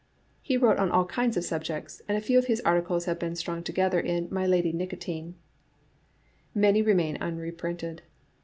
He wrote on all kinds of subjects, and a few of his ar ticles have been strung together in "My Lady Nico tine "; many remain unreprinted.